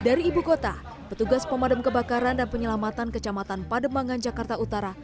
dari ibu kota petugas pemadam kebakaran dan penyelamatan kecamatan pademangan jakarta utara